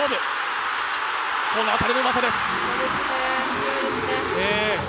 強いですね。